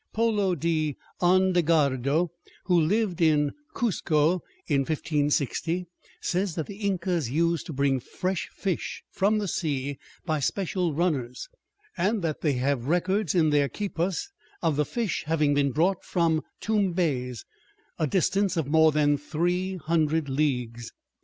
Polo de Ondegardo, who lived in Cuzco in 1560, says that the Incas used to bring fresh fish from the sea by special runners, and that "they have records in their quipus of the fish having been brought from Tumbez, a distance of more than three hundred leagues."